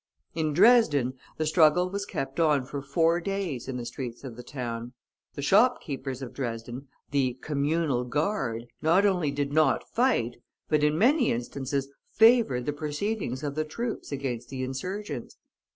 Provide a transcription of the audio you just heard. In Dresden, the struggle was kept on for four days in the streets of the town. The shopkeepers of Dresden, the "communal guard," not only did not fight, but in many instances favored the proceedings of the troops against the insurgents.